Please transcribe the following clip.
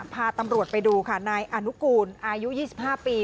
พาตำรวจไปดูค่ะนายอนุกูลอายุยี่สิบห้าปี